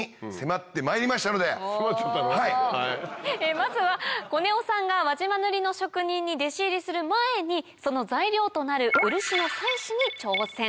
まずはコネオさんが輪島塗の職人に弟子入りする前にその材料となる漆の採取に挑戦。